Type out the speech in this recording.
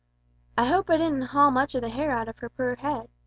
"I hope I didn't haul much of the hair out of her poor head?"